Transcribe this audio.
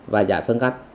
và giải phân cắt